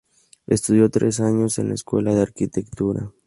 Estudió tres años en la escuela de Arquitectura.